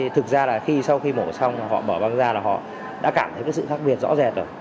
thực ra là sau khi mổ xong họ bỏ băng ra là họ đã cảm thấy sự khác biệt rõ rệt rồi